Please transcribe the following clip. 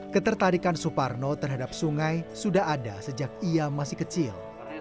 ketertarikan suparno terhadap sungai sudah ada sejak ia masih kecil